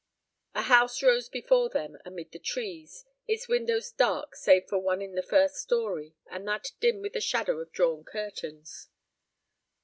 A house rose before them amid the trees, its windows dark save for one in the first story, and that dim with the shadow of drawn curtains.